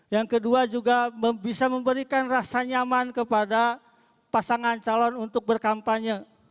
yang kedua juga bisa memberikan rasa nyaman kepada pasangan calon untuk berkampanye